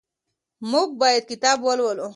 موږ باید کتاب ولولو.